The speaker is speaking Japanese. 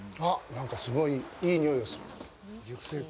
なんかすごいいい匂いがする。